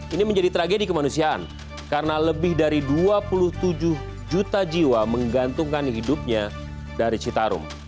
ini menjadi tragedi kemanusiaan karena lebih dari dua puluh tujuh juta jiwa menggantungkan hidupnya dari citarum